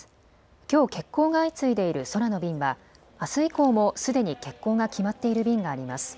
きょう、欠航が相次いでいる空の便は、あす以降もすでに欠航が決まっている便があります。